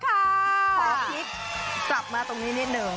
ขอพลิกกลับมาตรงนี้นิดหนึ่ง